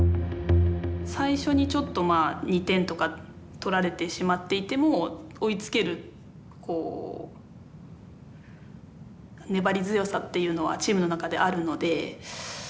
最初にちょっとまあ２点とか取られてしまっていても追いつける粘り強さっていうのはチームの中であるので。